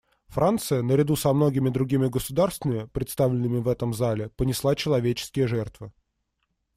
Франция, наряду со многими другими государствами, представленными в этом зале, понесла человеческие жертвы.